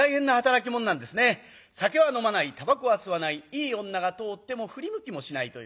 酒は飲まないたばこは吸わないいい女が通っても振り向きもしないという。